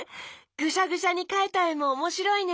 グシャグシャにかいたえもおもしろいね。